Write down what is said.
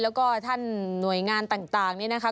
แล้วก็ท่านหน่วยงานต่างนี่นะคะ